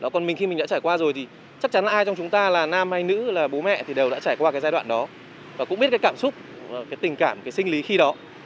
còn mình khi mình đã trải qua rồi thì chắc chắn ai trong chúng ta là nam hay nữ là bố mẹ thì đều đã trải qua cái giai đoạn đó và cũng biết cái cảm xúc cái tình cảm cái sinh lý khi đó